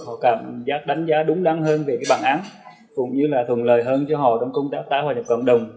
họ cảm giác đánh giá đúng đắn hơn về cái bản án cũng như là thuận lợi hơn cho họ trong công tác tái hòa nhập cộng đồng